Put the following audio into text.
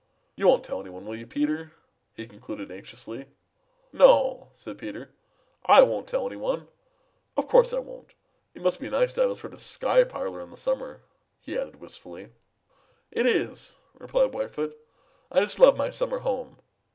You won't tell any one, will you, Peter?" he concluded anxiously. "No," said Peter, "I won't tell any one. Of course I won't. It must be nice to have a sort of sky parlor in the summer," he added wistfully. "It is," replied Whitefoot. "I just love my summer home."